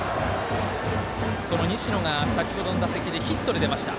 この西野が先ほどの打席でヒットで出ました。